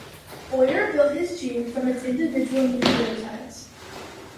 Boyer built his gene from its individual nucleotides.